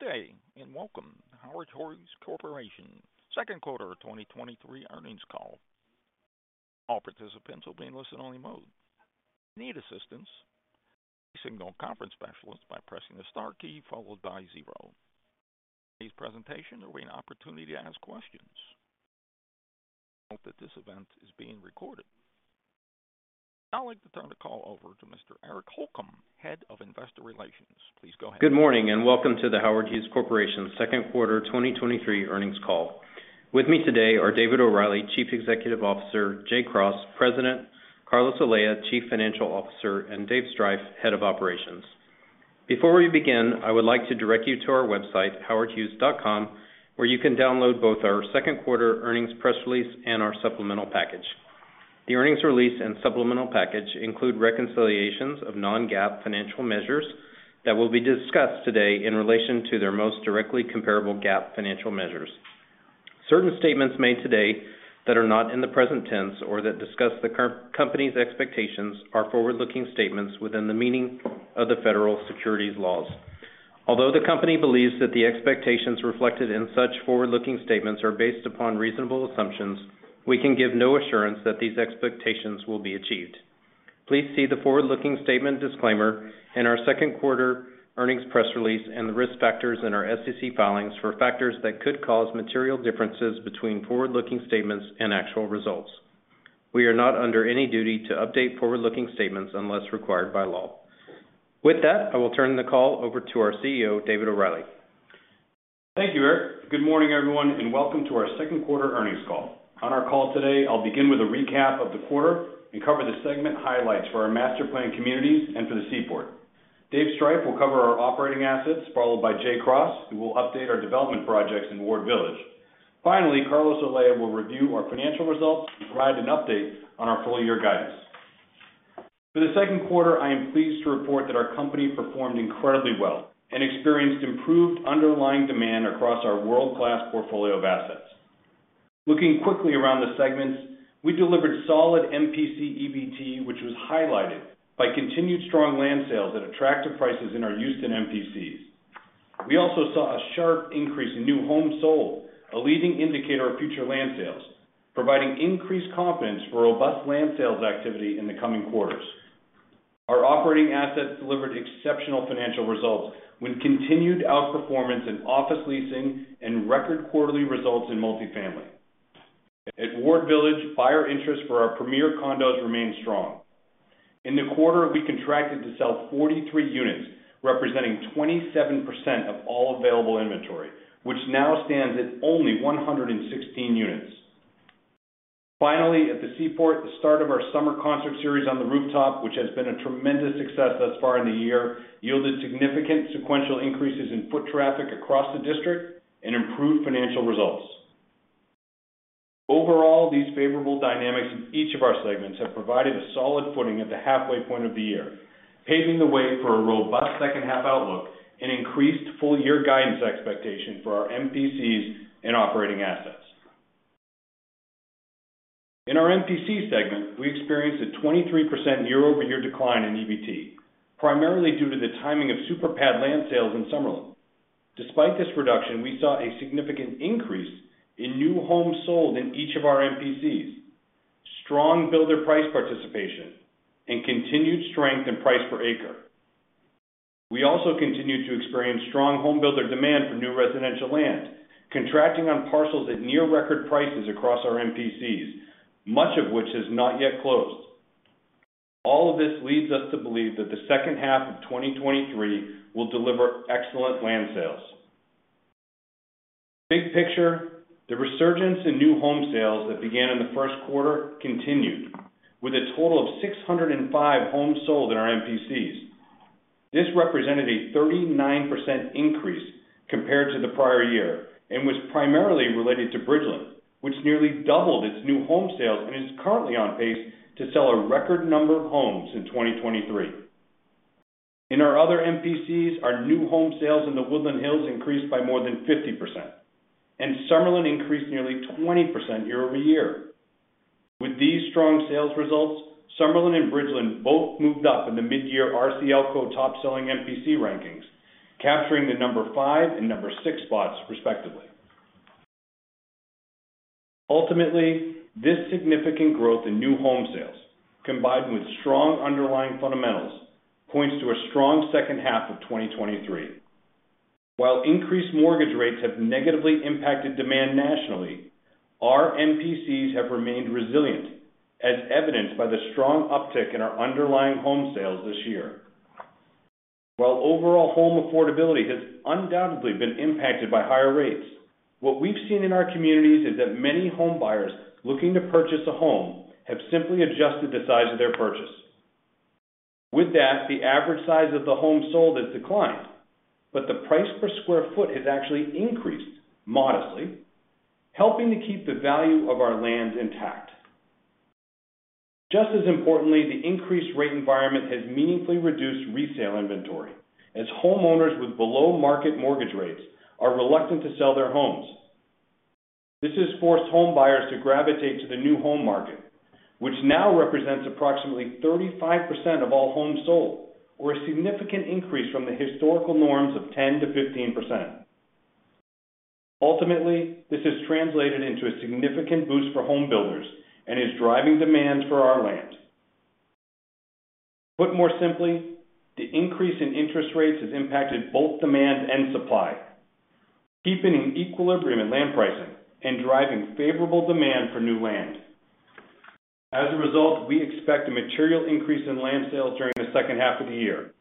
Good day. Welcome to The Howard Hughes Corporation Second Quarter 2023 Earnings Call. All participants will be in listen-only mode. If you need assistance, please signal a conference specialist by pressing the star key followed by zero. Today's presentation, there will be an opportunity to ask questions. Note that this event is being recorded. Now, I'd like to turn the call over to Mr. Eric Holcomb, Head of Investor Relations. Please go ahead. Good morning, and welcome to The Howard Hughes Corporation Second Quarter 2023 Earnings Call. With me today are David O'Reilly, Chief Executive Officer; Jay Cross, President; Carlos Olea, Chief Financial Officer, and Dave Striph, Head of Operations. Before we begin, I would like to direct you to our website, howardhughes.com, where you can download both our second quarter earnings press release and our supplemental package. The earnings release and supplemental package include reconciliations of non-GAAP financial measures that will be discussed today in relation to their most directly comparable GAAP financial measures. Certain statements made today that are not in the present tense or that discuss the company's expectations are forward-looking statements within the meaning of the federal securities laws. Although the company believes that the expectations reflected in such forward-looking statements are based upon reasonable assumptions, we can give no assurance that these expectations will be achieved. Please see the forward-looking statement disclaimer in our second quarter earnings press release and the risk factors in our SEC filings for factors that could cause material differences between forward-looking statements and actual results. We are not under any duty to update forward-looking statements unless required by law. With that, I will turn the call over to our CEO, David O'Reilly. Thank you, Eric. Good morning, everyone, and welcome to our second quarter earnings call. On our call today, I'll begin with a recap of the quarter and cover the segment highlights for our Master Planned Communities and for the Seaport. Dave Striph will cover our operating assets, followed by Jay Cross, who will update our development projects in Ward Village. Finally, Carlos Olea will review our financial results and provide an update on our full-year guidance. For the second quarter, I am pleased to report that our company performed incredibly well and experienced improved underlying demand across our world-class portfolio of assets. Looking quickly around the segments, we delivered solid MPC EBT, which was highlighted by continued strong land sales at attractive prices in our Houston MPCs. We also saw a sharp increase in new homes sold, a leading indicator of future land sales, providing increased confidence for robust land sales activity in the coming quarters. Our operating assets delivered exceptional financial results with continued outperformance in office leasing and record quarterly results in multifamily. At Ward Village, buyer interest for our premier condos remains strong. In the quarter, we contracted to sell 43 units, representing 27% of all available inventory, which now stands at only 116 units. Finally, at the Seaport, the start of our summer concert series on the rooftop, which has been a tremendous success thus far in the year, yielded significant sequential increases in foot traffic across the district and improved financial results. Overall, these favorable dynamics in each of our segments have provided a solid footing at the halfway point of the year, paving the way for a robust second half outlook and increased full-year guidance expectation for our MPCs and operating assets. In our MPC segment, we experienced a 23% year-over-year decline in EBT, primarily due to the timing of superpad land sales in Summerlin. Despite this reduction, we saw a significant increase in new homes sold in each of our MPCs, strong builder price participation, and continued strength in price per acre. We also continued to experience strong home builder demand for new residential land, contracting on parcels at near record prices across our MPCs, much of which has not yet closed. All of this leads us to believe that the second half of 2023 will deliver excellent land sales. Big picture, the resurgence in new home sales that began in the first quarter continued, with a total of 605 homes sold in our MPCs. This represented a 39% increase compared to the prior year and was primarily related to Bridgeland, which nearly doubled its new home sales and is currently on pace to sell a record number of homes in 2023. In our other MPCs, our new home sales in the Woodland Hills increased by more than 50%, and Summerlin increased nearly 20% year-over-year. With these strong sales results, Summerlin and Bridgeland both moved up in the midyear RCLCO top-selling MPC rankings, capturing the number five and number six spots, respectively. Ultimately, this significant growth in new home sales, combined with strong underlying fundamentals, points to a strong second half of 2023. While increased mortgage rates have negatively impacted demand nationally, our MPCs have remained resilient, as evidenced by the strong uptick in our underlying home sales this year. While overall home affordability has undoubtedly been impacted by higher rates, what we've seen in our communities is that many home buyers looking to purchase a home have simply adjusted the size of their purchase. With that, the average size of the home sold has declined, but the price per square foot has actually increased modestly, helping to keep the value of our land intact. Just as importantly, the increased rate environment has meaningfully reduced resale inventory, as homeowners with below-market mortgage rates are reluctant to sell their homes. This has forced home buyers to gravitate to the new home market, which now represents approximately 35% of all homes sold, or a significant increase from the historical norms of 10%-15%. Ultimately, this has translated into a significant boost for home builders and is driving demand for our land. Put more simply, the increase in interest rates has impacted both demand and supply, keeping an equilibrium in land pricing and driving favorable demand for new land. As a result, we expect a material increase in land sales during the second half of the year.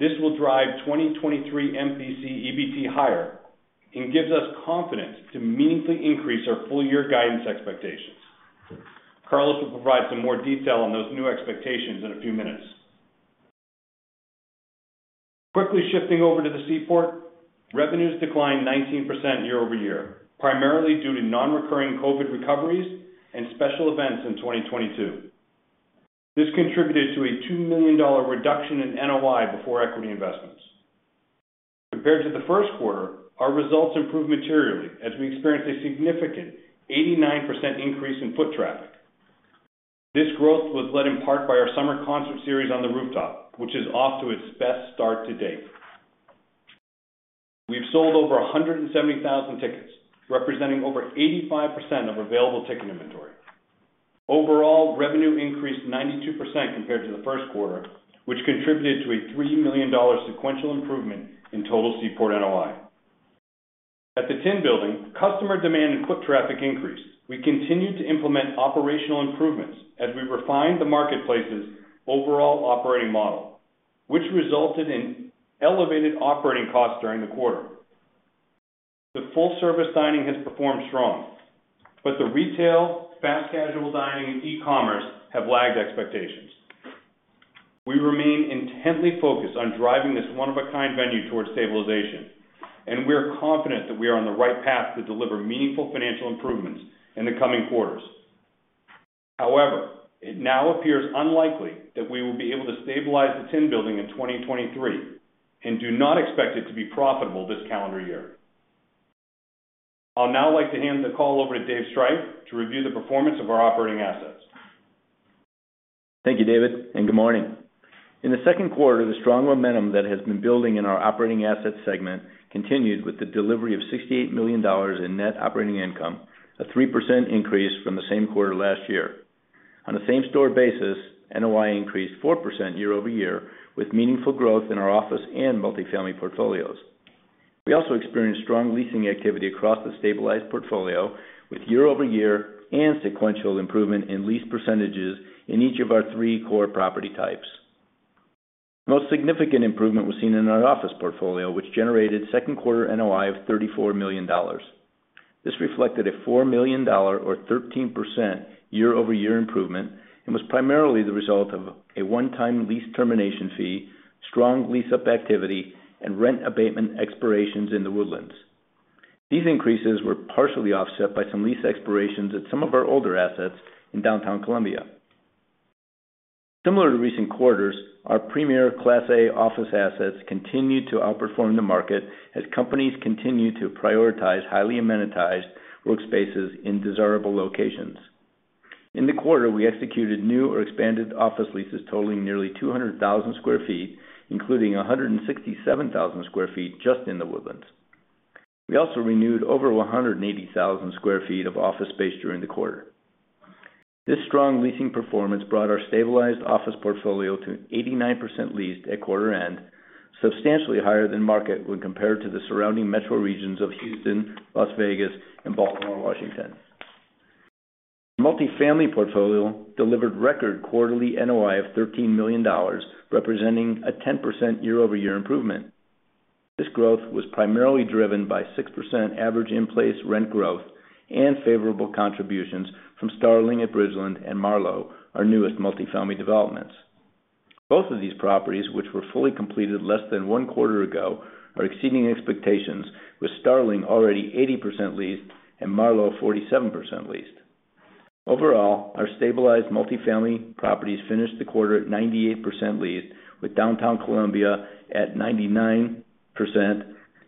This will drive 2023 MPC EBT higher, and gives us confidence to meaningfully increase our full year guidance expectations. Carlos will provide some more detail on those new expectations in a few minutes. Quickly shifting over to the Seaport, revenues declined 19% year-over-year, primarily due to non-recurring COVID recoveries and special events in 2022. This contributed to a $2 million reduction in NOI before equity investments. Compared to the first quarter, our results improved materially as we experienced a significant 89% increase in foot traffic. This growth was led in part by our summer concert series on the rooftop, which is off to its best start to date. We've sold over 170,000 tickets, representing over 85% of available ticket inventory. Overall, revenue increased 92% compared to the first quarter, which contributed to a $3 million sequential improvement in total Seaport NOI. At the Tin Building, customer demand and foot traffic increased. We continued to implement operational improvements as we refined the marketplace's overall operating model, which resulted in elevated operating costs during the quarter. The full-service dining has performed strong, but the retail, fast casual dining, and e-commerce have lagged expectations. We remain intently focused on driving this one-of-a-kind venue towards stabilization, and we are confident that we are on the right path to deliver meaningful financial improvements in the coming quarters. However, it now appears unlikely that we will be able to stabilize the Tin Building in 2023, and do not expect it to be profitable this calendar year. I'll now like to hand the call over to Dave Striph to review the performance of our operating assets. Thank you, David. Good morning. In the second quarter, the strong momentum that has been building in our operating assets segment continued with the delivery of $68 million in net operating income, a 3% increase from the same quarter last year. On a same-store basis, NOI increased 4% year-over-year, with meaningful growth in our office and multifamily portfolios. We also experienced strong leasing activity across the stabilized portfolio, with year-over-year and sequential improvement in lease percent in each of our three core property types. Most significant improvement was seen in our office portfolio, which generated second quarter NOI of $34 million. This reflected a $4 million or 13% year-over-year improvement, was primarily the result of a one-time lease termination fee, strong lease-up activity, and rent abatement expirations in The Woodlands. These increases were partially offset by some lease expirations at some of our older assets in downtown Columbia. Similar to recent quarters, our premier Class A office assets continued to outperform the market as companies continued to prioritize highly amenitized workspaces in desirable locations. In the quarter, we executed new or expanded office leases totaling nearly 200,000 sq ft, including 167,000 sq ft just in The Woodlands. We also renewed over 180,000 sq ft of office space during the quarter. This strong leasing performance brought our stabilized office portfolio to 89% leased at quarter end, substantially higher than market when compared to the surrounding metro regions of Houston, Las Vegas, and Baltimore, Washington. Multifamily portfolio delivered record quarterly NOI of $13 million, representing a 10% year-over-year improvement. This growth was primarily driven by 6% average in-place rent growth and favorable contributions from Starling at Bridgeland and Marlow, our newest multifamily developments. Both of these properties, which were fully completed less than one quarter ago, are exceeding expectations, with Starling already 80% leased and Marlow 47% leased. Overall, our stabilized multifamily properties finished the quarter at 98% leased, with downtown Columbia at 99%,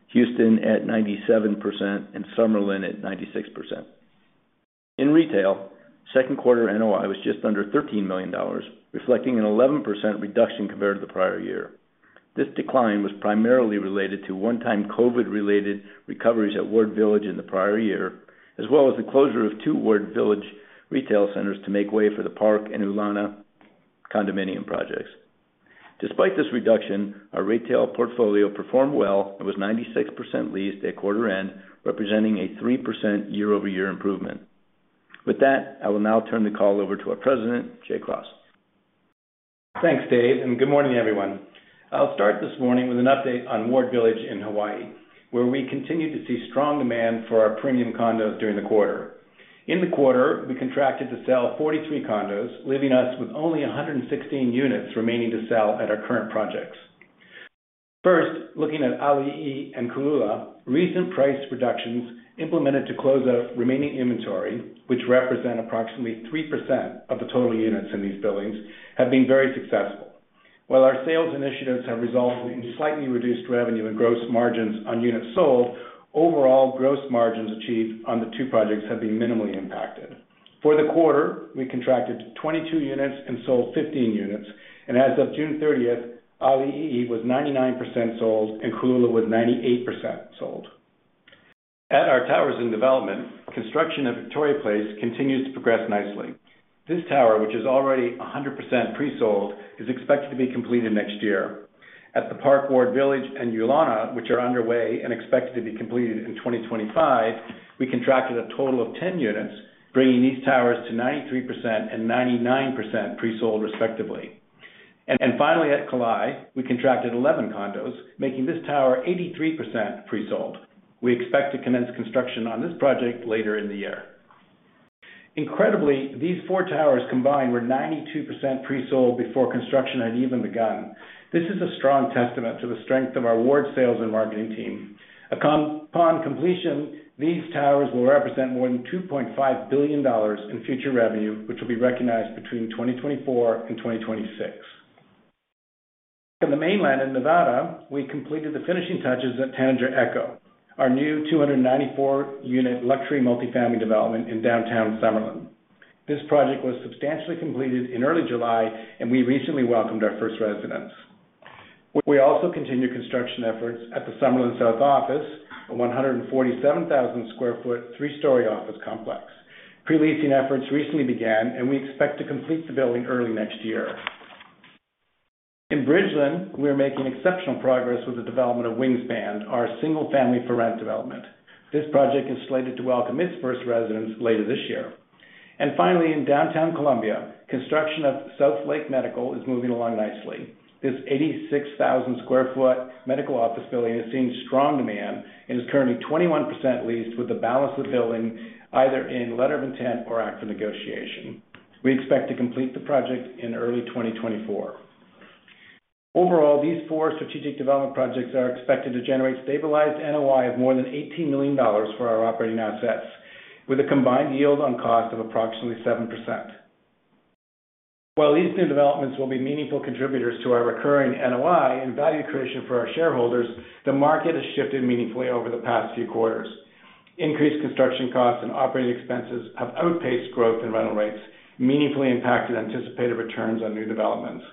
Houston at 97%, and Summerlin at 96%. In retail, second quarter NOI was just under $13 million, reflecting an 11% reduction compared to the prior year. This decline was primarily related to one-time COVID-related recoveries at Ward Village in the prior year, as well as the closure of two Ward Village retail centers to make way for The Park and Ulana condominium projects. Despite this reduction, our retail portfolio performed well and was 96% leased at quarter end, representing a 3% year-over-year improvement. With that, I will now turn the call over to our president, Jay Cross. Thanks, Dave, good morning, everyone. I'll start this morning with an update on Ward Village in Hawaii, where we continued to see strong demand for our premium condos during the quarter. In the quarter, we contracted to sell 43 condos, leaving us with only 116 units remaining to sell at our current projects. First, looking at ʻAʻaliʻi and Kōʻula, recent price reductions implemented to close our remaining inventory, which represent approximately 3% of the total units in these buildings, have been very successful. While our sales initiatives have resulted in slightly reduced revenue and gross margins on units sold, overall gross margins achieved on the two projects have been minimally impacted. For the quarter, we contracted 22 units and sold 15 units, and as of June 30th, ʻAʻaliʻi was 99% sold and Kōʻula was 98% sold. At our towers in development, construction of Victoria Place continues to progress nicely. This tower, which is already 100% pre-sold, is expected to be completed next year. At The Park Ward Village and Ulana, which are underway and expected to be completed in 2025, we contracted a total of 10 units, bringing these towers to 93% and 99% pre-sold, respectively. Finally, at Kalae, we contracted 11 condos, making this tower 83% pre-sold. We expect to commence construction on this project later in the year. Incredibly, these four towers combined were 92% pre-sold before construction had even begun. This is a strong testament to the strength of our Ward sales and marketing team. Upon completion, these towers will represent more than $2.5 billion in future revenue, which will be recognized between 2024 and 2026. On the mainland in Nevada, we completed the finishing touches at Tanager Echo, our new 294-unit luxury multifamily development in Downtown Summerlin. This project was substantially completed in early July. We recently welcomed our first residents. We also continued construction efforts at the Summerlin South Office, a 147,000 sq ft, three-story office complex. Pre-leasing efforts recently began. We expect to complete the building early next year. In Bridgeland, we are making exceptional progress with the development of Wingspan, our single-family for rent development. This project is slated to welcome its first residents later this year. Finally, in downtown Columbia, construction of South Lake Medical is moving along nicely. This 86,000 sq ft medical office building is seeing strong demand and is currently 21% leased, with the balance of the building either in letter of intent or active negotiation. We expect to complete the project in early 2024. Overall, these four strategic development projects are expected to generate stabilized NOI of more than $18 million for our operating assets, with a combined yield on cost of approximately 7%. While these new developments will be meaningful contributors to our recurring NOI and value creation for our shareholders, the market has shifted meaningfully over the past few quarters. Increased construction costs and operating expenses have outpaced growth in rental rates, meaningfully impacting anticipated returns on new developments.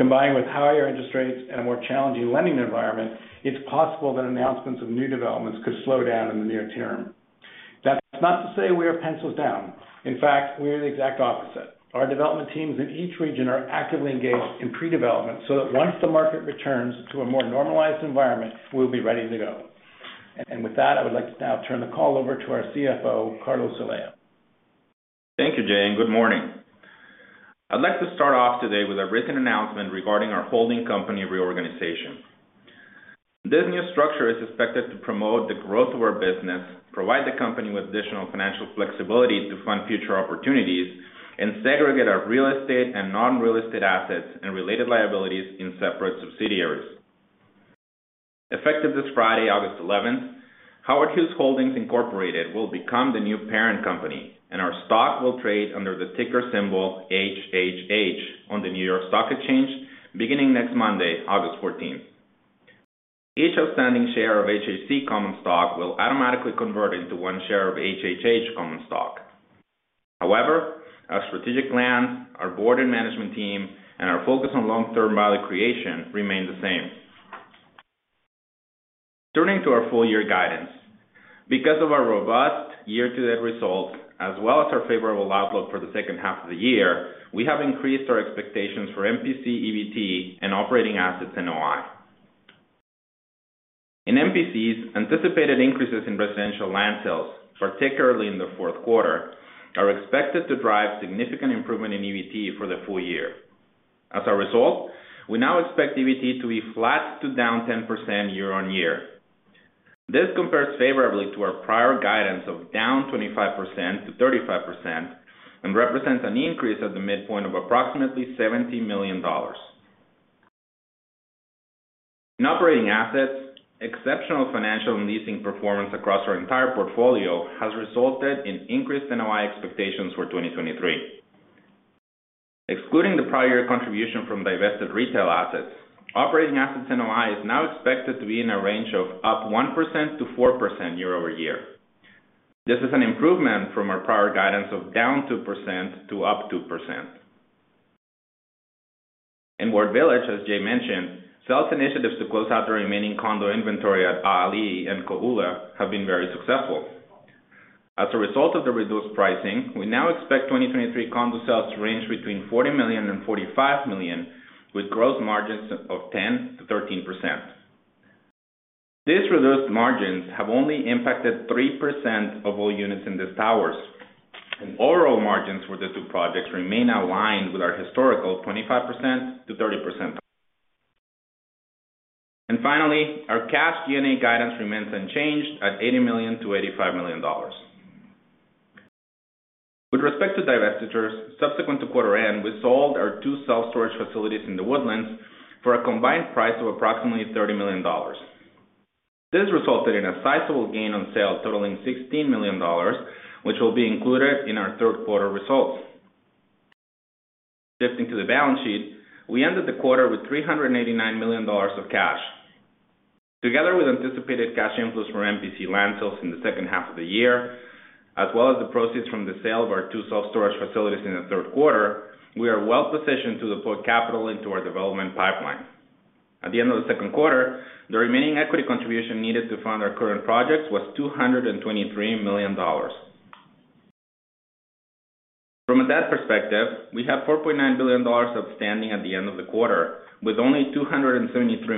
Combined with higher interest rates and a more challenging lending environment, it's possible that announcements of new developments could slow down in the near term. That's not to say we are pencils down. In fact, we are the exact opposite. Our development teams in each region are actively engaged in pre-development so that once the market returns to a more normalized environment, we'll be ready to go. With that, I would like to now turn the call over to our CFO, Carlos Olea. Thank you, Jay. Good morning. I'd like to start off today with a recent announcement regarding our holding company reorganization. This new structure is expected to promote the growth of our business, provide the company with additional financial flexibility to fund future opportunities, and segregate our real estate and non-real estate assets and related liabilities in separate subsidiaries. Effective this Friday, August 11th, Howard Hughes Holdings Inc. will become the new parent company. Our stock will trade under the ticker symbol HHH on the New York Stock Exchange, beginning next Monday, August 14th. Each outstanding share of HHC common stock will automatically convert into one share of HHH common stock. However, our strategic plan, our board and management team, and our focus on long-term value creation remain the same. Turning to our full-year guidance. Because of our robust year-to-date results, as well as our favorable outlook for the second half of the year, we have increased our expectations for MPC, EBT, and operating assets NOI. In MPCs, anticipated increases in residential land sales, particularly in the fourth quarter, are expected to drive significant improvement in EBT for the full year. As a result, we now expect EBT to be flat to down 10% year-over-year. This compares favorably to our prior guidance of down 25%-35% and represents an increase at the midpoint of approximately $70 million. In operating assets, exceptional financial and leasing performance across our entire portfolio has resulted in increased NOI expectations for 2023. Excluding the prior year contribution from divested retail assets, operating assets NOI is now expected to be in a range of up 1%-4% year-over-year. This is an improvement from our prior guidance of down 2% to up 2%. In Ward Village, as Jay mentioned, sales initiatives to close out the remaining condo inventory at ʻAʻaliʻi and Kōʻula have been very successful. As a result of the reduced pricing, we now expect 2023 condo sales to range between $40 million and $45 million, with gross margins of 10%-13%. These reduced margins have only impacted 3% of all units in these towers, and overall margins for the two projects remain aligned with our historical 25%-30%. Finally, our cash G&A guidance remains unchanged at $80 million-$85 million. With respect to divestitures, subsequent to quarter end, we sold our two self-storage facilities in The Woodlands for a combined price of approximately $30 million. This resulted in a sizable gain on sale totaling $16 million, which will be included in our third quarter results. Shifting to the balance sheet, we ended the quarter with $389 million of cash. Together with anticipated cash inflows from MPC land sales in the second half of the year, as well as the proceeds from the sale of our two self-storage facilities in the third quarter, we are well positioned to deploy capital into our development pipeline. At the end of the second quarter, the remaining equity contribution needed to fund our current projects was $223 million. From a debt perspective, we have $4.9 billion of standing at the end of the quarter, with only $273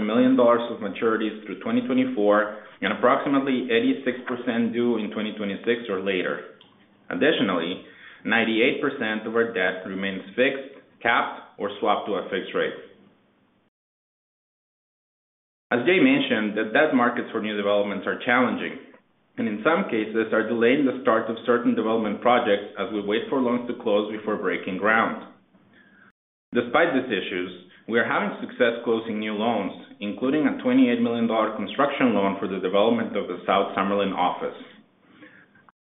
million of maturities through 2024, and approximately 86% due in 2026 or later. Additionally, 98% of our debt remains fixed, capped, or swapped to a fixed rate. As Jay mentioned, the debt markets for new developments are challenging, and in some cases are delaying the start of certain development projects as we wait for loans to close before breaking ground. Despite these issues, we are having success closing new loans, including a $28 million construction loan for the development of the Summerlin South Office.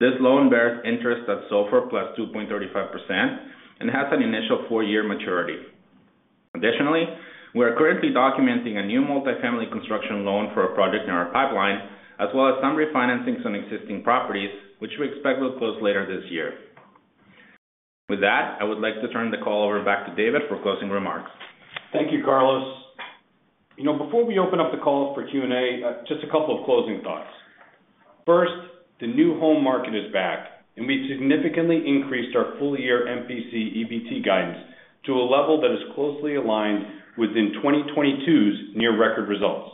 This loan bears interest at SOFR plus 2.35% and has an initial 4-year maturity. Additionally, we are currently documenting a new multifamily construction loan for a project in our pipeline, as well as some refinancing some existing properties, which we expect will close later this year. With that, I would like to turn the call over back to David for closing remarks. Thank you, Carlos. You know, before we open up the call for Q&A, just a couple of closing thoughts. First, the new home market is back. We significantly increased our full year MPC EBT guidance to a level that is closely aligned within 2022's near record results.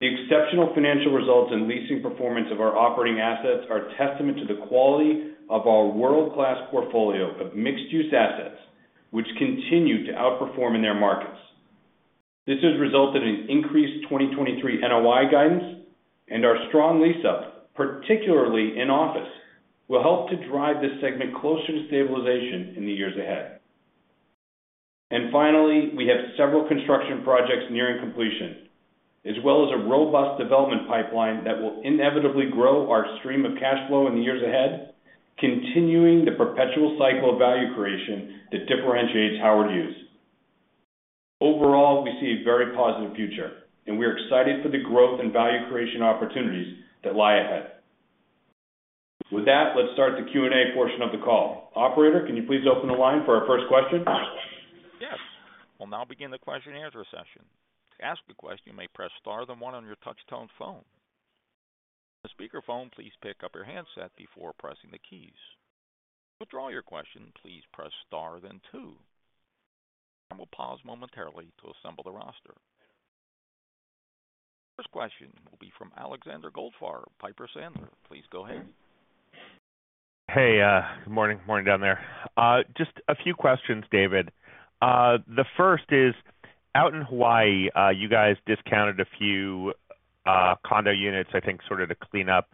The exceptional financial results and leasing performance of our operating assets are a testament to the quality of our world-class portfolio of mixed-use assets, which continue to outperform in their markets. This has resulted in increased 2023 NOI guidance. Our strong lease-up, particularly in office, will help to drive this segment closer to stabilization in the years ahead. Finally, we have several construction projects nearing completion, as well as a robust development pipeline that will inevitably grow our stream of cash flow in the years ahead, continuing the perpetual cycle of value creation that differentiates Howard Hughes. Overall, we see a very positive future, and we are excited for the growth and value creation opportunities that lie ahead. With that, let's start the Q&A portion of the call. Operator, can you please open the line for our first question? Yes. We'll now begin the question and answer session. To ask a question, you may press star then one on your touch-tone phone. On speakerphone, please pick up your handset before pressing the keys. To withdraw your question, please press star then two. I will pause momentarily to assemble the roster. First question will be from Alexander Goldfarb, Piper Sandler. Please go ahead. Hey, good morning. Morning down there. Just a few questions, David. The first is, out in Hawaii, you guys discounted a few condo units, I think, sort of to clean up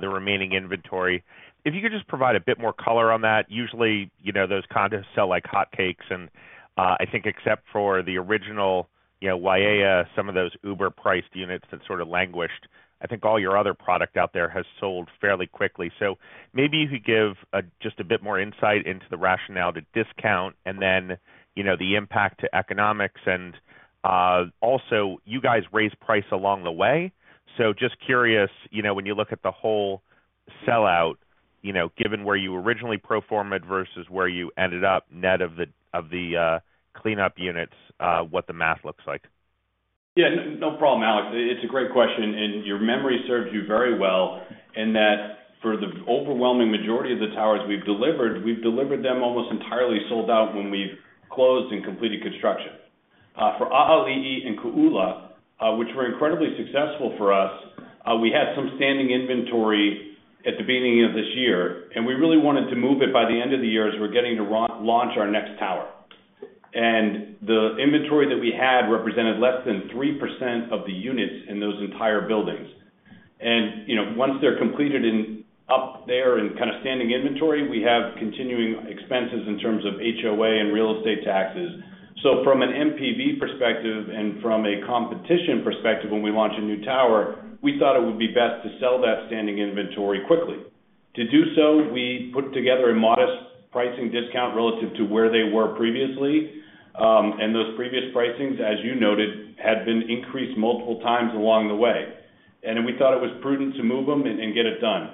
the remaining inventory. If you could just provide a bit more color on that. Usually, you know, those condos sell like hotcakes, and I think except for the original, you know, Waiea, some of those uber-priced units that sort of languished. I think all your other product out there has sold fairly quickly. Maybe if you give just a bit more insight into the rationale, the discount, and then, you know, the impact to economics. Also, you guys raised price along the way. Just curious, you know, when you look at the whole sellout, you know, given where you originally pro forma versus where you ended up, net of the, of the cleanup units, what the math looks like? Yeah, no, no problem, Alex. It's a great question, and your memory serves you very well in that for the overwhelming majority of the towers we've delivered, we've delivered them almost entirely sold out when we've closed and completed construction. For ʻAʻaliʻi and Kōʻula, which were incredibly successful for us, we had some standing inventory at the beginning of this year, and we really wanted to move it by the end of the year as we're getting to launch our next tower. The inventory that we had represented less than 3% of the units in those entire buildings. You know, once they're completed and up there in kind of standing inventory, we have continuing expenses in terms of HOA and real estate taxes. From an MPC perspective and from a competition perspective, when we launch a new tower, we thought it would be best to sell that standing inventory quickly. To do so, we put together a modest pricing discount relative to where they were previously. And those previous pricings, as you noted, had been increased multiple times along the way, and we thought it was prudent to move them and get it done.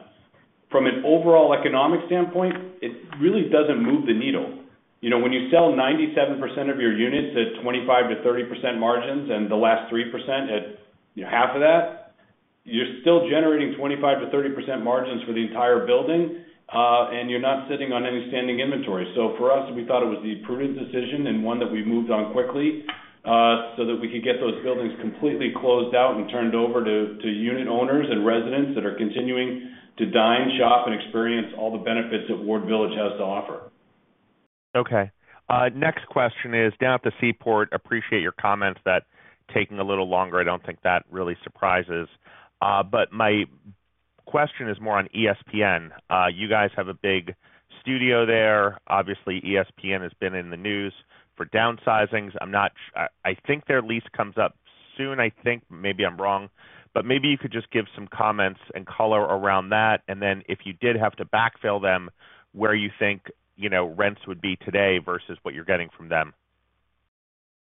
From an overall economic standpoint, it really doesn't move the needle. You know, when you sell 97% of your units at 25%-30% margins and the last 3% at half of that, you're still generating 25%-30% margins for the entire building and you're not sitting on any standing inventory. For us, we thought it was the prudent decision and one that we moved on quickly, so that we could get those buildings completely closed out and turned over to, to unit owners and residents that are continuing to dine, shop, and experience all the benefits that Ward Village has to offer. Okay. Next question is, down at the Seaport, appreciate your comments that taking a little longer, I don't think that really surprises. Question is more on ESPN. You guys have a big studio there. Obviously, ESPN has been in the news for downsizings. I think their lease comes up soon, I think. Maybe I'm wrong, but maybe you could just give some comments and color around that, and then if you did have to backfill them, where you think, you know, rents would be today versus what you're getting from them.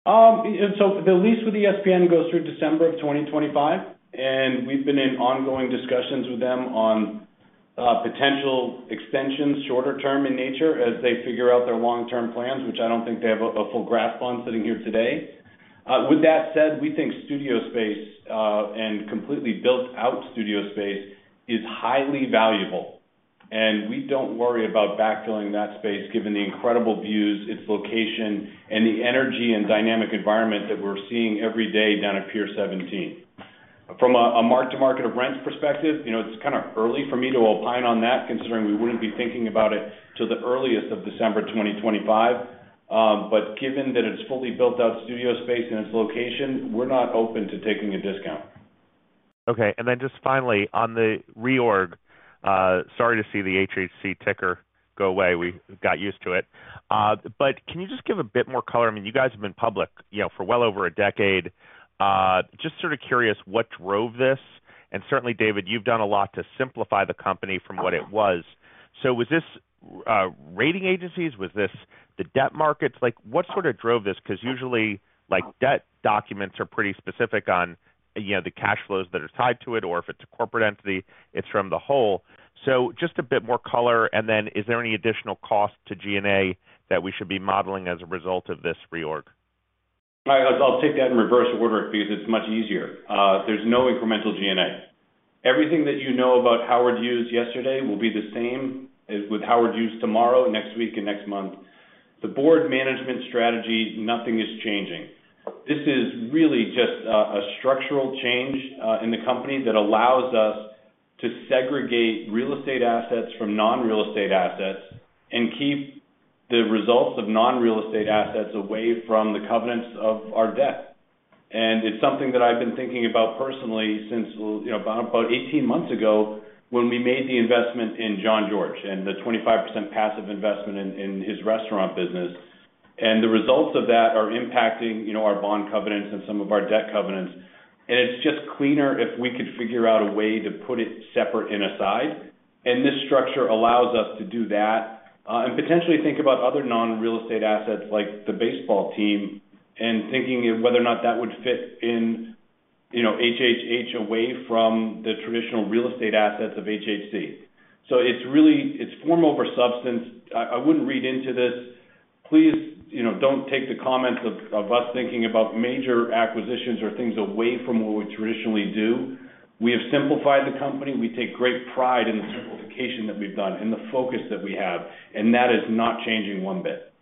The lease with ESPN goes through December of 2025, and we've been in ongoing discussions with them on potential extensions, shorter term in nature, as they figure out their long-term plans, which I don't think they have a, a full grasp on sitting here today. With that said, we think studio space, and completely built-out studio space is highly valuable, and we don't worry about backfilling that space given the incredible views, its location, and the energy and dynamic environment that we're seeing every day down at Pier 17. From a, a mark-to-market of rents perspective, you know, it's kind of early for me to opine on that, considering we wouldn't be thinking about it till the earliest of December 2025. Given that it's fully built-out studio space and its location, we're not open to taking a discount. Okay, then just finally, on the reorg, sorry to see the HHC ticker go away. We got used to it. Can you just give a bit more color? I mean, you guys have been public, you know, for well over a decade. Just sort of curious what drove this. Certainly, David, you've done a lot to simplify the company from what it was. Was this rating agencies? Was this the debt markets? Like, what sort of drove this? Because usually, like, debt documents are pretty specific on, you know, the cash flows that are tied to it, or if it's a corporate entity, it's from the whole. Just a bit more color, and then is there any additional cost to G&A that we should be modeling as a result of this reorg? I'll take that in reverse order, because it's much easier. There's no incremental G&A. Everything that you know about Howard Hughes yesterday will be the same as with Howard Hughes tomorrow, next week, and next month. The board management strategy, nothing is changing. This is really just a structural change in the company that allows us to segregate real estate assets from non-real estate assets and keep the results of non-real estate assets away from the covenants of our debt. It's something that I've been thinking about personally since, you know, about 18 months ago, when we made the investment in Jean-Georges Vongerichten and the 25% passive investment in, in his restaurant business. The results of that are impacting, you know, our bond covenants and some of our debt covenants, and it's just cleaner if we could figure out a way to put it separate and aside. This structure allows us to do that and potentially think about other non-real estate assets, like the baseball team, and thinking of whether or not that would fit in, you know, HHH away from the traditional real estate assets of HHC. It's really, it's form over substance. I, I wouldn't read into this. Please, you know, don't take the comments of, of us thinking about major acquisitions or things away from what we traditionally do. We have simplified the company. We take great pride in the simplification that we've done and the focus that we have, and that is not changing one bit.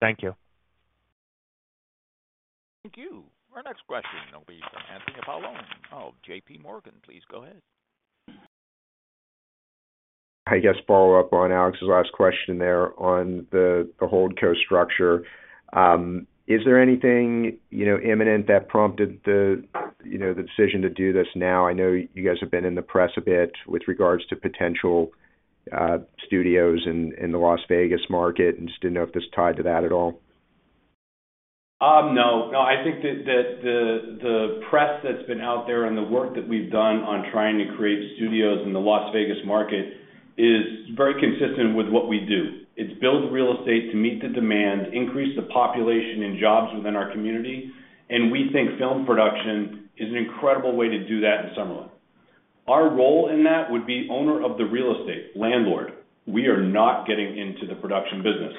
Thank you. Thank you. Our next question will be from Anthony Paolone of JPMorgan. Please go ahead. I guess, follow up on Alex's last question there on the hold co structure. Is there anything, you know, imminent that prompted the, you know, the decision to do this now? I know you guys have been in the press a bit with regards to potential studios in the Las Vegas market, and just didn't know if this tied to that at all. No. No, I think that the press that's been out there and the work that we've done on trying to create studios in the Las Vegas market is very consistent with what we do. It's build real estate to meet the demand, increase the population and jobs within our community, and we think film production is an incredible way to do that in Summerlin. Our role in that would be owner of the real estate, landlord. We are not getting into the production business.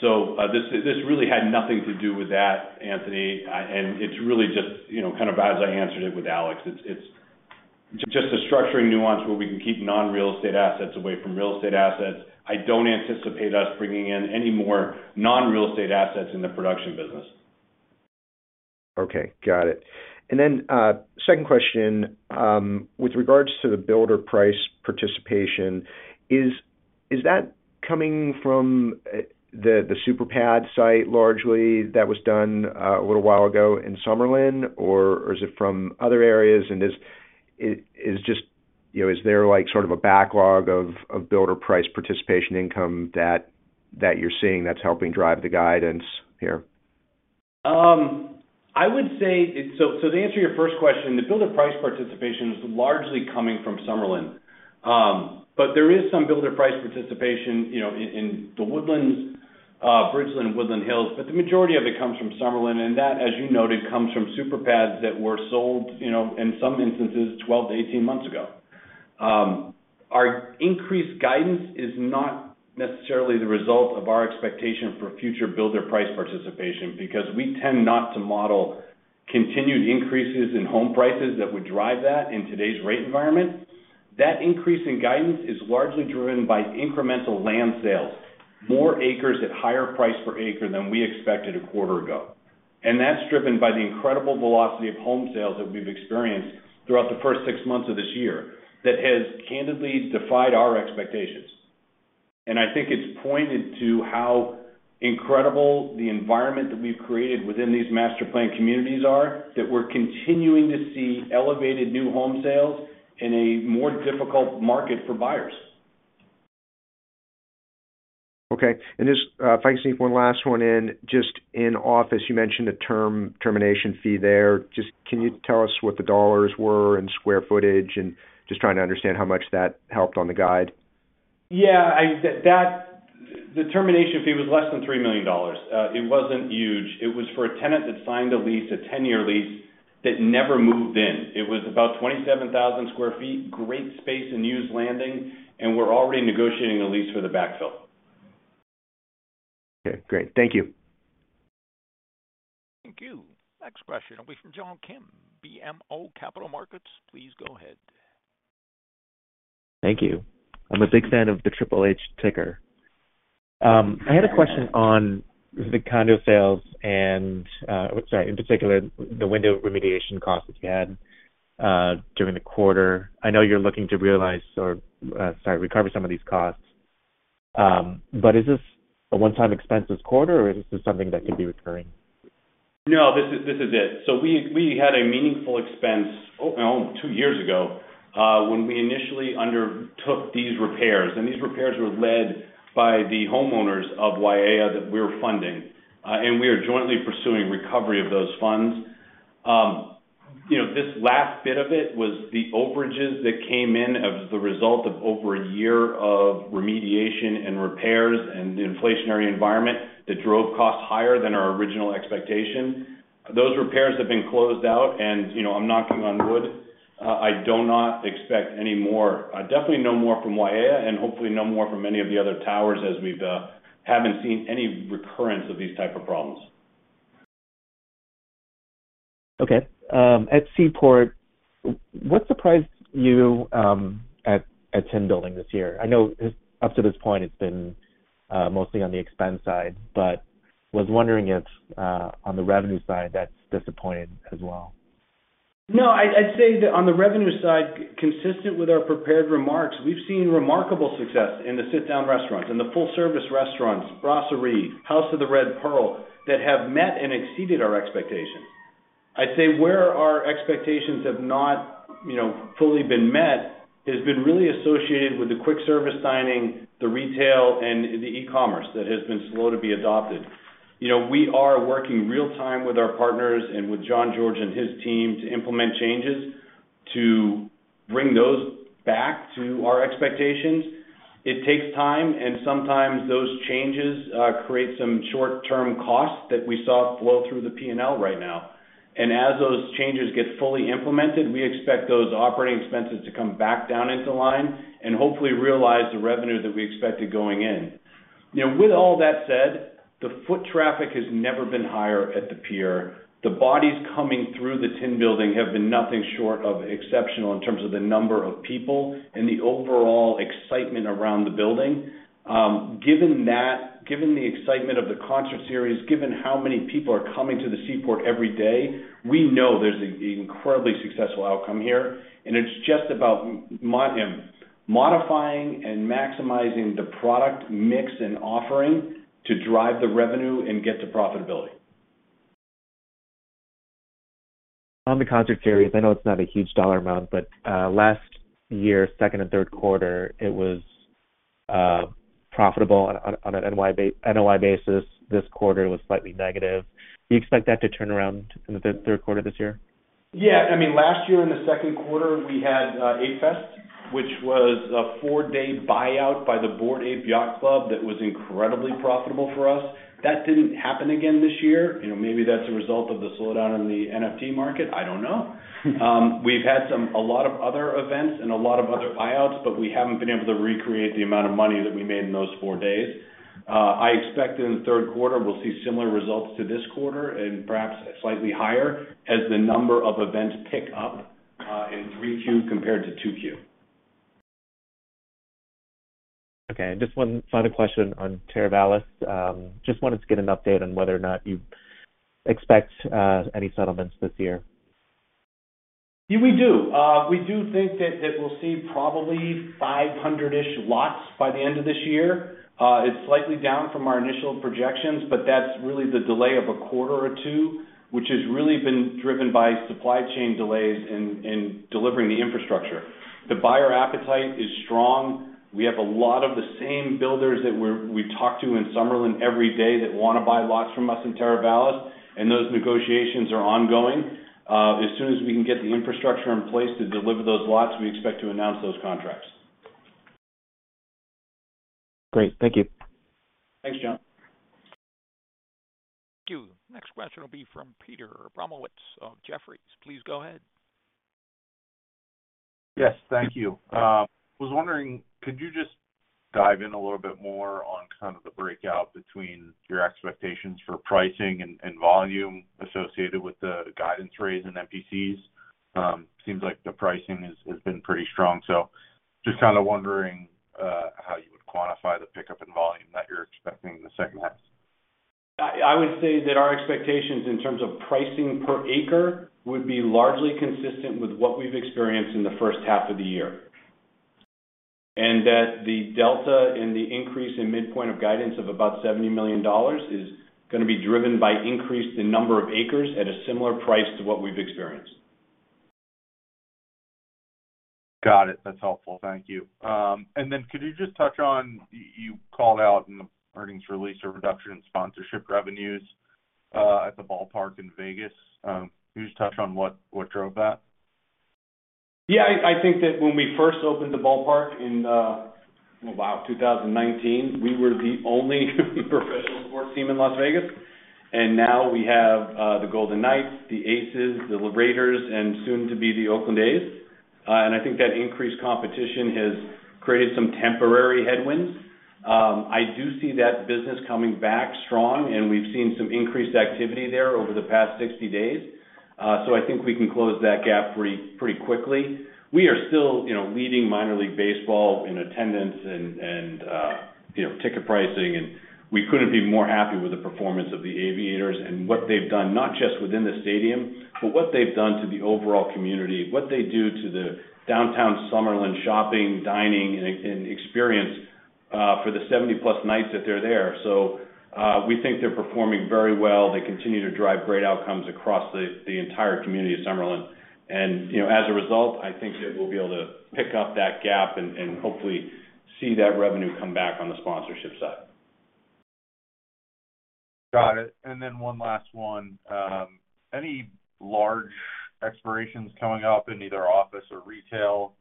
This really had nothing to do with that, Anthony. It's really just, you know, kind of as I answered it with Alex, it's just a structuring nuance where we can keep non-real estate assets away from real estate assets. I don't anticipate us bringing in any more non-real estate assets in the production business. Okay, got it. Second question: with regards to the builder price participation, is, is that coming from the superpad site, largely, that was done a little while ago in Summerlin, or is it from other areas, and You know, is there, like, sort of a backlog of, of builder price participation income that, that you're seeing that's helping drive the guidance here? I would say to answer your first question, the builder price participation is largely coming from Summerlin. There is some builder price participation, you know, in The Woodlands, Bridgeland, and Woodland Hills, but the majority of it comes from Summerlin, and that, as you noted, comes from super pads that were sold, you know, in some instances, 12 months-18 months ago. Our increased guidance is not necessarily the result of our expectation for future builder price participation, because we tend not to model continued increases in home prices that would drive that in today's rate environment. That increase in guidance is largely driven by incremental land sales, more acres at higher price per acre than we expected a quarter ago. That's driven by the incredible velocity of home sales that we've experienced throughout the first six months of this year, that has candidly defied our expectations. I think it's pointed to how incredible the environment that we've created within these Master Planned Communities are, that we're continuing to see elevated new home sales in a more difficult market for buyers. Okay. Just, if I can sneak one last one in. Just in office, you mentioned a termination fee there. Just can you tell us what the dollars were and square footage, and just trying to understand how much that helped on the guide? Yeah, the termination fee was less than $3 million. It wasn't huge. It was for a tenant that signed a lease, a 10-year lease, that never moved in. It was about 27,000 sq ft, great space in Hughes Landing, and we're already negotiating a lease for the backfill. Okay, great. Thank you. Thank you. Next question will be from John Kim, BMO Capital Markets. Please go ahead. Thank you. I'm a big fan of the HHH ticker. I had a question on the condo sales and, sorry, in particular, the window remediation costs that you had during the quarter. I know you're looking to realize or, sorry, recover some of these costs. Is this a one-time expense this quarter, or is this something that could be recurring? No, this is, this is it. We, we had a meaningful expense, two years ago, when we initially undertook these repairs, and these repairs were led by the homeowners of Waiea that we're funding. We are jointly pursuing recovery of those funds. You know, this last bit of it was the overages that came in as the result of over 1 year of remediation and repairs and the inflationary environment, that drove costs higher than our original expectation. Those repairs have been closed out and, you know, I'm knocking on wood. I do not expect any more. Definitely no more from Waiea and hopefully no more from any of the other towers, as we've haven't seen any recurrence of these type of problems. Okay. At Seaport, what surprised you at the Tin Building this year? I know up to this point, it's been mostly on the expense side. Was wondering if on the revenue side, that's disappointing as well? No, I'd, I'd say that on the revenue side, consistent with our prepared remarks, we've seen remarkable success in the sit-down restaurants, in the full-service restaurants, Brasserie, House of the Red Pearl, that have met and exceeded our expectations. I'd say where our expectations have not, you know, fully been met, has been really associated with the quick service signing, the retail and the e-commerce that has been slow to be adopted. You know, we are working real-time with our partners and with Jean-Georges and his team to implement changes to bring those back to our expectations. It takes time. Sometimes those changes create some short-term costs that we saw flow through the P&L right now. As those changes get fully implemented, we expect those operating expenses to come back down into line and hopefully realize the revenue that we expected going in. You know, with all that said, the foot traffic has never been higher at the pier. The bodies coming through the Tin Building have been nothing short of exceptional in terms of the number of people and the overall excitement around the building. Given that, given the excitement of the concert series, given how many people are coming to the Seaport every day, we know there's an incredibly successful outcome here, and it's just about modifying and maximizing the product mix and offering to drive the revenue and get to profitability. On the concert series, I know it's not a huge dollar amount, but last year, second and third quarter, it was profitable on an NOI basis. This quarter, it was slightly negative. Do you expect that to turn around in the third quarter this year? Yeah. I mean, last year in the second quarter, we had ApeFest, which was a four-day buyout by the Bored Ape Yacht Club that was incredibly profitable for us. That didn't happen again this year. You know, maybe that's a result of the slowdown in the NFT market. I don't know. We've had a lot of other events and a lot of other buyouts, but we haven't been able to recreate the amount of money that we made in those four days. I expect in the third quarter we'll see similar results to this quarter and perhaps slightly higher as the number of events pick up, in 3Q compared to 2Q. Okay, just one final question on Teravalis. Just wanted to get an update on whether or not you expect any settlements this year? Yeah, we do. We do think that, that we'll see probably 500-ish lots by the end of this year. It's slightly down from our initial projections, but that's really the delay of a quarter or two, which has really been driven by supply chain delays in, in delivering the infrastructure. The buyer appetite is strong. We have a lot of the same builders that we talk to in Summerlin every day that want to buy lots from us in Teravalis, and those negotiations are ongoing. As soon as we can get the infrastructure in place to deliver those lots, we expect to announce those contracts. Great. Thank you. Thanks, John. Thank you. Next question will be from Peter Abramowitz of Jefferies. Please go ahead. Yes, thank you. Was wondering, could you just dive in a little bit more on kind of the breakout between your expectations for pricing and, and volume associated with the guidance raise in MPCs? Seems like the pricing has, has been pretty strong. Just kind of wondering how you would quantify the pickup in volume that you're expecting in the second half.... I, I would say that our expectations in terms of pricing per acre would be largely consistent with what we've experienced in the first half of the year. That the delta in the increase in midpoint of guidance of about $70 million is gonna be driven by increase in number of acres at a similar price to what we've experienced. Got it. That's helpful. Thank you. Then could you just touch on, you, you called out in the earnings release, a reduction in sponsorship revenues, at the ballpark in Vegas. Can you just touch on what, what drove that? Yeah, I, I think that when we first opened the ballpark in, wow, 2019, we were the only professional sports team in Las Vegas. Now we have the Golden Knights, the Aces, the Raiders, and soon to be the Oakland A's. I think that increased competition has created some temporary headwinds. I do see that business coming back strong, and we've seen some increased activity there over the past 60 days. I think we can close that gap pretty, pretty quickly. We are still, you know, leading Minor League Baseball in attendance and, you know, ticket pricing, and we couldn't be more happy with the performance of the Aviators and what they've done, not just within the stadium, but what they've done to the overall community, what they do to the Downtown Summerlin shopping, dining, and experience, for the 70+ nights that they're there. We think they're performing very well. They continue to drive great outcomes across the entire community of Summerlin. You know, as a result, I think that we'll be able to pick up that gap and hopefully see that revenue come back on the sponsorship side. Got it. Then 1 last one. Any large expirations coming up in either office or retail?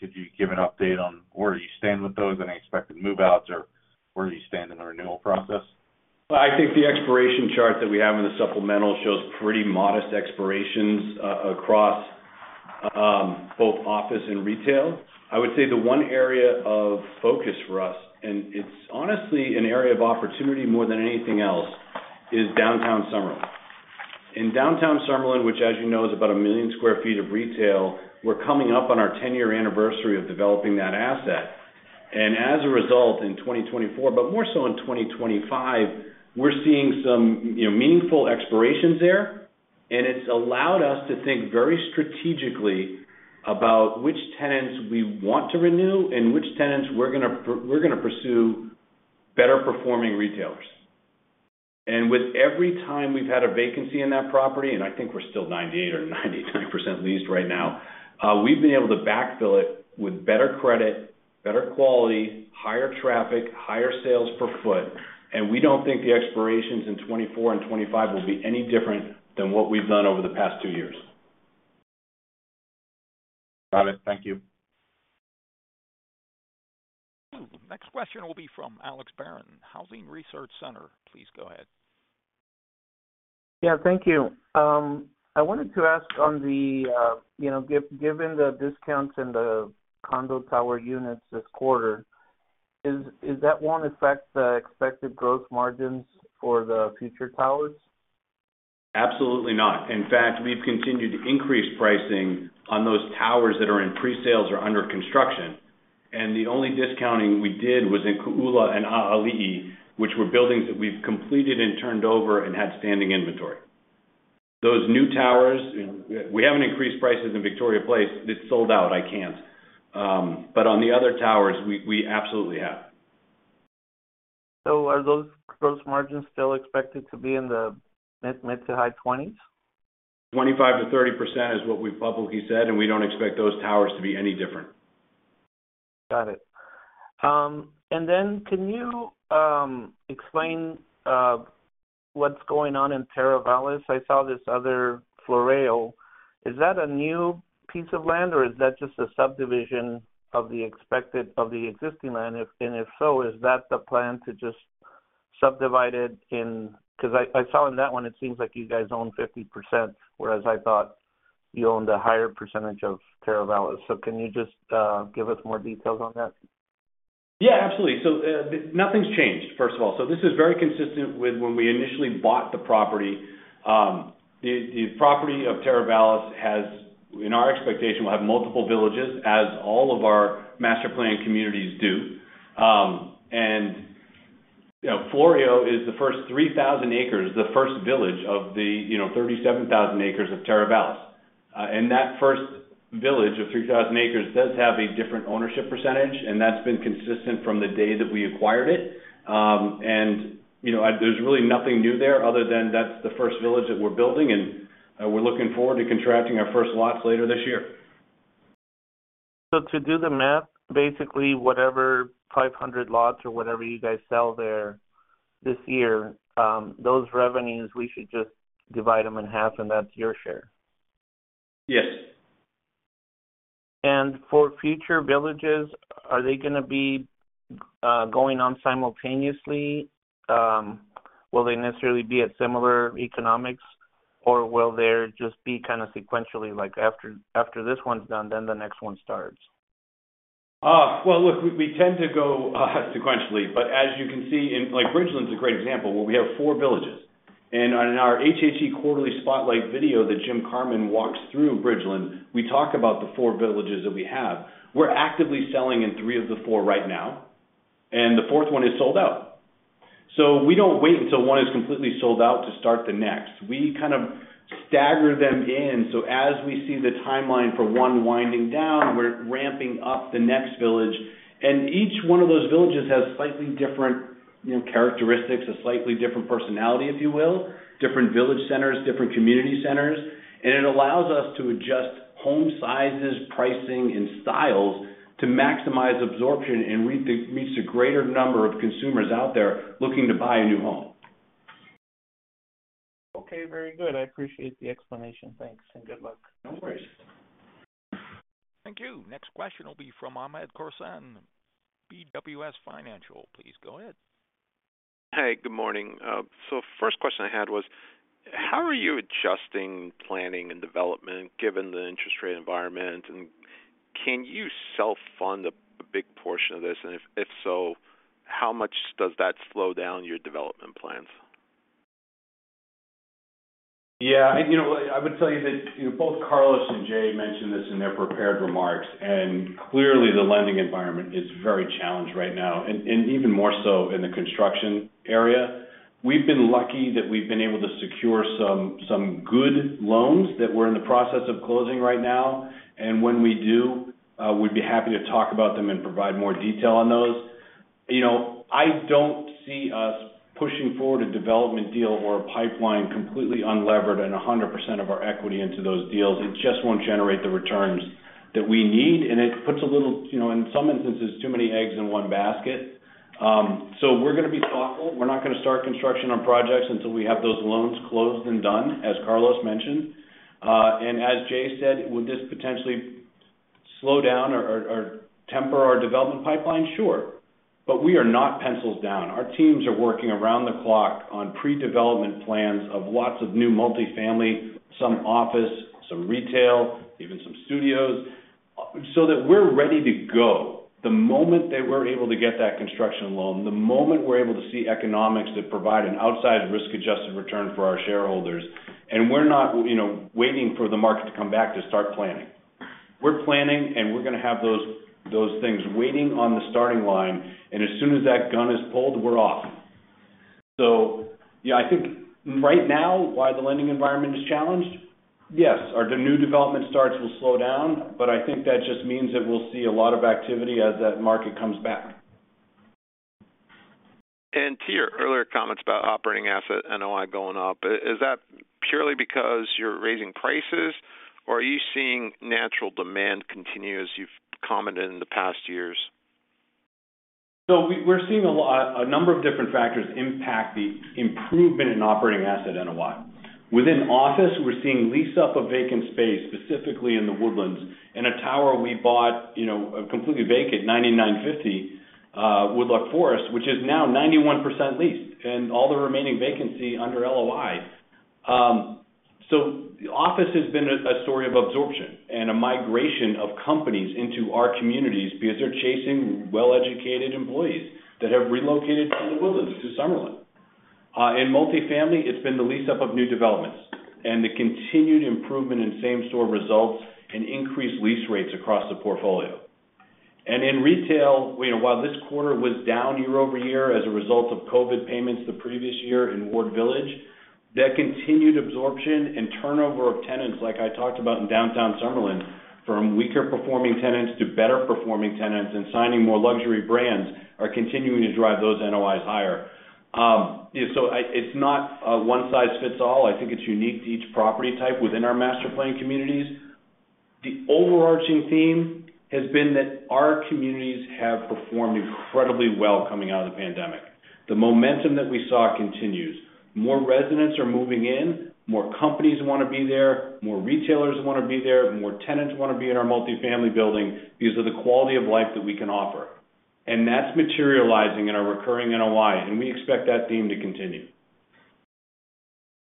Could you give an update on where you stand with those and any expected move-outs, or where do you stand in the renewal process? Well, I think the expiration chart that we have in the supplemental shows pretty modest expirations across both office and retail. I would say the one area of focus for us, and it's honestly an area of opportunity more than anything else, is Downtown Summerlin. In Downtown Summerlin, which, as you know, is about 1 million sq ft of retail, we're coming up on our 10-year anniversary of developing that asset. As a result, in 2024, but more so in 2025, we're seeing some, you know, meaningful expirations there, and it's allowed us to think very strategically about which tenants we want to renew and which tenants we're gonna pursue better-performing retailers. With every time we've had a vacancy in that property, and I think we're still 98% or 99% leased right now, we've been able to backfill it with better credit, better quality, higher traffic, higher sales per foot. We don't think the expirations in 2024 and 2025 will be any different than what we've done over the past two years. Got it. Thank you. Next question will be from Alex Barron, Housing Research Center. Please go ahead. Yeah, thank you. I wanted to ask on the, you know, given the discounts in the condo tower units this quarter, is, is that won't affect the expected growth margins for the future towers? Absolutely not. In fact, we've continued to increase pricing on those towers that are in presales or under construction, and the only discounting we did was in Kōʻula and ʻAʻaliʻi, which were buildings that we've completed and turned over and had standing inventory. Those new towers, we haven't increased prices in Victoria Place. It's sold out. I can't. On the other towers, we, we absolutely have. Are those gross margins still expected to be in the mid-20s% to high-20s%? 25%-30% is what we've publicly said, and we don't expect those towers to be any different. Got it. Then can you explain what's going on in Teravalis? I saw this other Floreo. Is that a new piece of land, or is that just a subdivision of the existing land? If, if so, is that the plan to just subdivide it in... I, I saw in that one, it seems like you guys own 50%, whereas I thought you owned a higher percentage of Teravalis. Can you just give us more details on that? Yeah, absolutely. Nothing's changed, first of all. This is very consistent with when we initially bought the property. The property of Teravalis has, in our expectation, will have multiple villages, as all of our Master Planned Communities do. You know, Floreo is the first 3,000 acres, the first village of the, you know, 37,000 acres of Teravalis. That first village of 3,000 acres does have a different ownership percentage, and that's been consistent from the day that we acquired it. You know, there's really nothing new there other than that's the first village that we're building, and we're looking forward to contracting our first lots later this year. to do the math, basically, whatever 500 lots or whatever you guys sell there this year, those revenues, we should just divide them in half, and that's your share? Yes. For future villages, are they gonna be going on simultaneously? Will they necessarily be at similar economics, or will they just be kind of sequentially, like after, after this one's done, then the next one starts? Well, look, we, we tend to go sequentially, but as you can see in, like, Bridgeland is a great example, where we have four villages. On our HHH quarterly spotlight video that Jim Carman walks through Bridgeland, we talk about the four villages that we have. We're actively selling in three of the four right now, and the fourth one is sold out. We don't wait until one is completely sold out to start the next. We kind of stagger them in, so as we see the timeline for one winding down, we're ramping up the next village. Each one of those villages has slightly different, you know, characteristics, a slightly different personality, if you will, different village centers, different community centers. It allows us to adjust home sizes, pricing, and styles to maximize absorption and meets a greater number of consumers out there looking to buy a new home. Okay, very good. I appreciate the explanation. Thanks, and good luck. No worries. Thank you. Next question will be from Hamed Khorsand, BWS Financial. Please go ahead. Hey, good morning. First question I had was, how are you adjusting planning and development given the interest rate environment? Can you self-fund a, a big portion of this? If, if so, how much does that slow down your development plans? Yeah, you know, I would tell you that both Carlos and Jay mentioned this in their prepared remarks, clearly, the lending environment is very challenged right now, and even more so in the construction area. We've been lucky that we've been able to secure some good loans that we're in the process of closing right now, and when we do, we'd be happy to talk about them and provide more detail on those. You know, I don't see us pushing forward a development deal or a pipeline completely unlevered and 100% of our equity into those deals. It just won't generate the returns that we need, and it puts a little, you know, in some instances, too many eggs in one basket. We're gonna be thoughtful. We're not gonna start construction on projects until we have those loans closed and done, as Carlos mentioned. As Jay said, would this potentially slow down or, or, temper our development pipeline? Sure. We are not pencils down. Our teams are working around the clock on pre-development plans of lots of new multifamily, some office, some retail, even some studios, so that we're ready to go. The moment that we're able to get that construction loan, the moment we're able to see economics that provide an outside risk-adjusted return for our shareholders, we're not, you know, waiting for the market to come back to start planning. We're planning, we're gonna have those, those things waiting on the starting line, as soon as that gun is pulled, we're off. Yeah, I think right now, while the lending environment is challenged, yes, our new development starts will slow down, but I think that just means that we'll see a lot of activity as that market comes back. To your earlier comments about operating asset NOI going up, is that purely because you're raising prices, or are you seeing natural demand continue, as you've commented in the past years? We're seeing a number of different factors impact the improvement in operating asset NOI. Within office, we're seeing lease up of vacant space, specifically in The Woodlands, in a tower we bought, you know, completely vacant, 9950 Woodloch Forest, which is now 91% leased, and all the remaining vacancy under LOI. Office has been a story of absorption and a migration of companies into our communities because they're chasing well-educated employees that have relocated to The Woodlands, to Summerlin. In multifamily, it's been the lease up of new developments and the continued improvement in same-store results and increased lease rates across the portfolio. In retail, you know, while this quarter was down year-over-year as a result of COVID payments the previous year in Ward Village, that continued absorption and turnover of tenants, like I talked about in Downtown Summerlin, from weaker performing tenants to better performing tenants and signing more luxury brands, are continuing to drive those NOIs higher. So it's not a one size fits all. I think it's unique to each property type within our Master Planned Communities. The overarching theme has been that our communities have performed incredibly well coming out of the pandemic. The momentum that we saw continues. More residents are moving in, more companies want to be there, more retailers want to be there, more tenants want to be in our multifamily building. These are the quality of life that we can offer, and that's materializing in our recurring NOI, and we expect that theme to continue.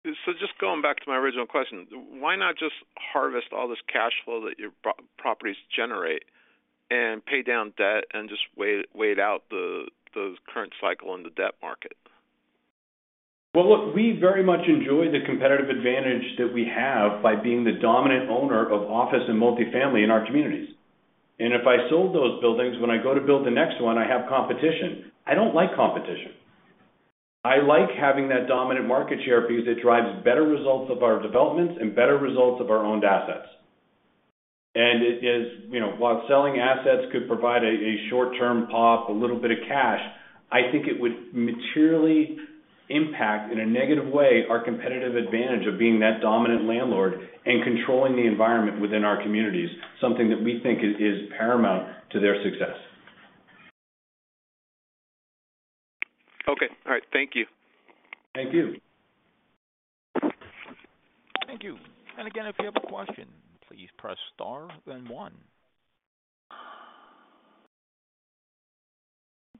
Just going back to my original question, why not just harvest all this cash flow that your properties generate and pay down debt and just wait out the current cycle in the debt market? Well, look, we very much enjoy the competitive advantage that we have by being the dominant owner of office and multifamily in our communities. If I sold those buildings, when I go to build the next one, I have competition. I don't like competition. I like having that dominant market share because it drives better results of our developments and better results of our owned assets. It is, you know, while selling assets could provide a, a short-term pop, a little bit of cash, I think it would materially impact, in a negative way, our competitive advantage of being that dominant landlord and controlling the environment within our communities, something that we think is, is paramount to their success. Okay. All right, thank you. Thank you. Thank you. Again, if you have a question, please press star, then 1. Thank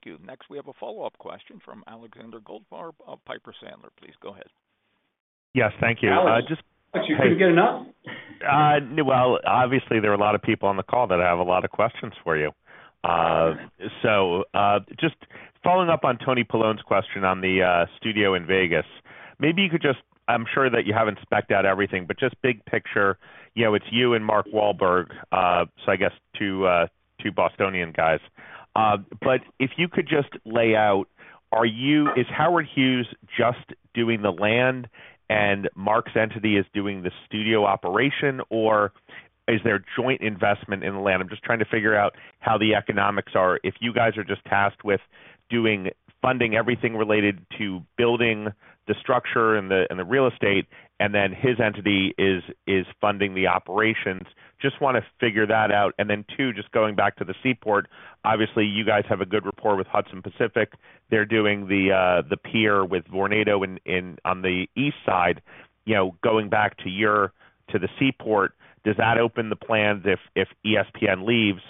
you. Next, we have a follow-up question from Alexander Goldfarb of Piper Sandler. Please go ahead. Yes, thank you. Alex- Uh, just- Alex, you couldn't get enough? Well, obviously, there are a lot of people on the call that have a lot of questions for you. Just following up on Anthony Paolone's question on the studio in Las Vegas. Maybe you could just-- I'm sure that you haven't specced out everything, but just big picture, you know, it's you and Mark Wahlberg, so I guess two, two Bostonian guys. If you could just lay out, is Howard Hughes just doing the land, and Mark's entity is doing the studio operation, or is there a joint investment in the land? I'm just trying to figure out how the economics are. If you guys are just tasked with doing funding, everything related to building the structure and the real estate, and then his entity is funding the operations. Just want to figure that out. Then, two, just going back to the Seaport, obviously, you guys have a good rapport with Hudson Pacific. They're doing the, the pier with Vornado in, on the east side. You know, going back to your, to the Seaport, does that open the plans if, if ESPN leaves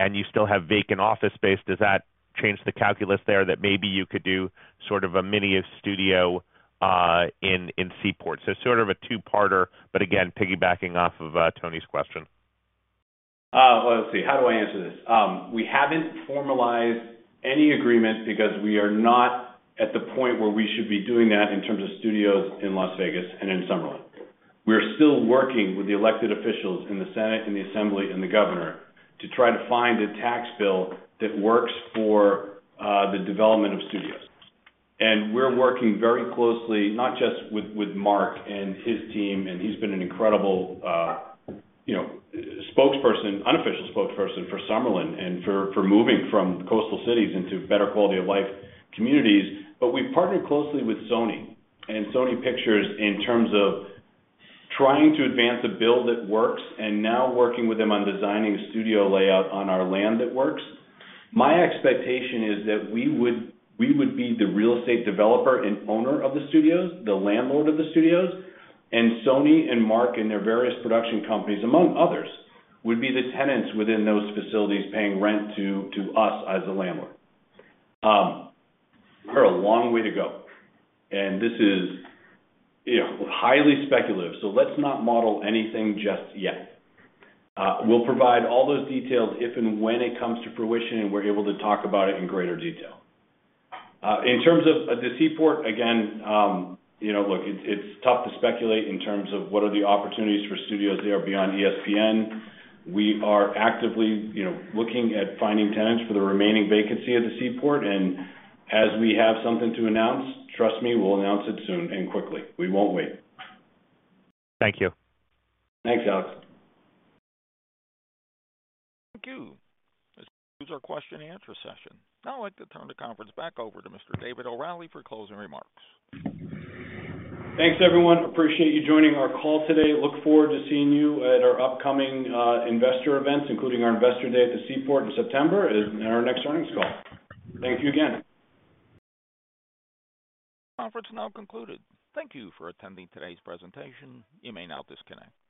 and you still have vacant office space, does that change the calculus there that maybe you could do sort of a mini studio, in, in Seaport? Sort of a two-parter, but again, piggybacking off of Tony's question. Let's see. How do I answer this? We haven't formalized any agreement because we are not at the point where we should be doing that in terms of studios in Las Vegas and in Summerlin. We are still working with the elected officials in the Senate and the Assembly and the governor to try to find a tax bill that works for the development of studios. We're working very closely, not just with, with Mark and his team, and he's been an incredible spokesperson, unofficial spokesperson for Summerlin and for moving from coastal cities into better quality of life communities. We've partnered closely with Sony and Sony Pictures in terms of trying to advance a bill that works, and now working with them on designing a studio layout on our land that works. My expectation is that we would be the real estate developer and owner of the studios, the landlord of the studios. Sony and Mark Wahlberg and their various production companies, among others, would be the tenants within those facilities, paying rent to us as a landlord. We're a long way to go, and this is, you know, highly speculative, so let's not model anything just yet. We'll provide all those details if and when it comes to fruition, and we're able to talk about it in greater detail. In terms of the Seaport, again, you know, look, it's, it's tough to speculate in terms of what are the opportunities for studios there beyond ESPN. We are actively, you know, looking at finding tenants for the remaining vacancy at the Seaport, and as we have something to announce, trust me, we'll announce it soon and quickly. We won't wait. Thank you. Thanks, Alex. Thank you. This concludes our question and answer session. Now, I'd like to turn the conference back over to Mr. David O'Reilly for closing remarks. Thanks, everyone. Appreciate you joining our call today. Look forward to seeing you at our upcoming investor events, including our Investor Day at the Seaport in September and our next earnings call. Thank you again. Conference now concluded. Thank you for attending today's presentation. You may now disconnect.